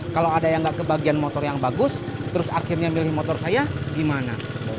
kalau ada yang nggak kebagian motor yang bagus terus akhirnya milih motor saya gimana